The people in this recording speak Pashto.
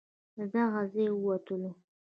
له دغه ځای ووتلو.